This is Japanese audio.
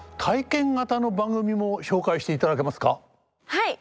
はい！